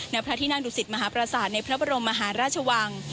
ในพระทินัรุศิริมหาปราสาทในพระบรมหราชวัง